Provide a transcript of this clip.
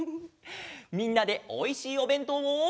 みんなでおいしいおべんとうを。